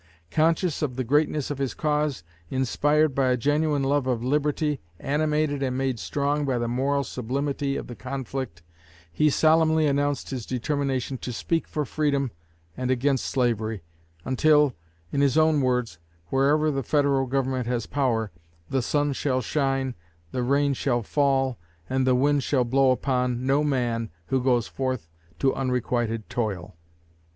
Conscious of the greatness of his cause, inspired by a genuine love of liberty, animated and made strong by the moral sublimity of the conflict, he solemnly announced his determination to speak for freedom and against slavery until in his own words wherever the Federal Government has power, 'the sun shall shine, the rain shall fall, and the wind shall blow upon no man who goes forth to unrequited toil.'"